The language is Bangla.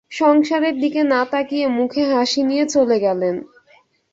সংসারের দিকে না তাকিয়ে মুখে হাসি নিয়ে চলে গেলেন।